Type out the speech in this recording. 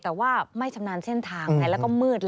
แต่ว่าไม่ชำนาญเส้นทางไงแล้วก็มืด